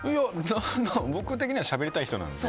僕的にはしゃべりたい人なので。